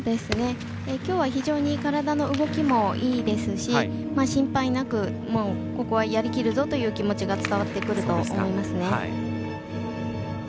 きょうは非常に体の動きもいいですし心配なくここはやりきるぞという気持ちが伝わってくると思いますね。